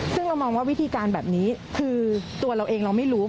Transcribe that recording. ซึ่งเรามองว่าวิธีการแบบนี้คือตัวเราเองเราไม่รู้